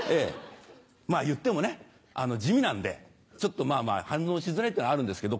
まぁ言ってもね地味なんでちょっと反応しづらいっていうのはあるんですけど。